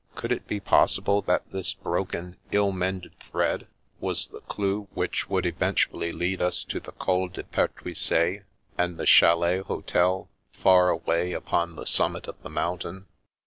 Could it be possible that this broken, ill mended thread was the clue which would eventually lead us to the Col de Pertuiset, and the chalet hotel far away upon the summit of the mountain